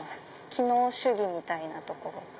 機能主義みたいなところが。